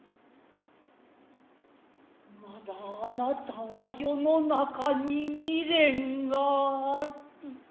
まだ貴方は世の中に未練がある。